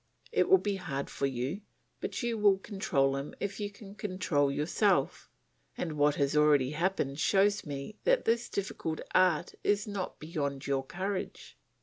It will be hard for you, but you will control him if you can control yourself, and what has already happened shows me that this difficult art is not beyond your courage.